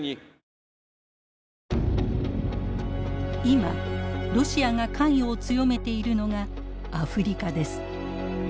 今ロシアが関与を強めているのがアフリカです。